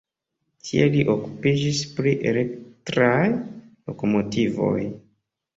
Tie li okupiĝis pri elektraj lokomotivoj.